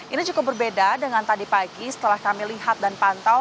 ini cukup berbeda dengan tadi pagi setelah kami lihat dan pantau